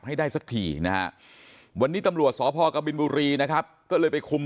ให้ได้สักทีนะฮะวันนี้ตำรวจสพกบินบุรีนะครับก็เลยไปคุม